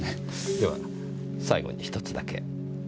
では最後に１つだけ。